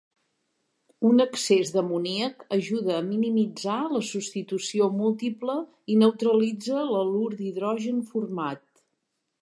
Un excés d'amoníac ajuda a minimitzar la substitució múltiple i neutralitza l'halur d'hidrogen format.